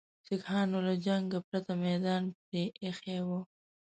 سیکهانو له جنګه پرته میدان پرې ایښی وو.